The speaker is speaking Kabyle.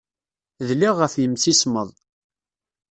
Dliɣ ɣef yimsismeḍ.